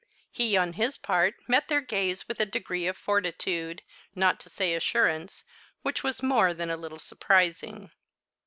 He, on his part, met their gaze with a degree of fortitude, not to say assurance, which was more than a little surprising.